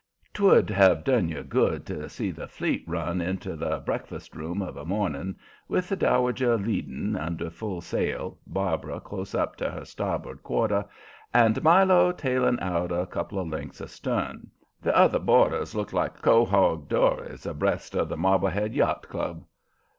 'Twould have done you good to see the fleet run into the breakfast room of a morning, with the Dowager leading, under full sail, Barbara close up to her starboard quarter, and Milo tailing out a couple of lengths astern. The other boarders looked like quahaug dories abreast of the Marblehead Yacht Club.